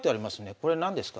これ何ですか？